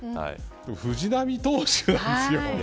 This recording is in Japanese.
でも、藤浪投手なんですよ。